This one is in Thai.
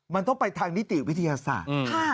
มันต้องไปทางนิติวิทยาศาสตร์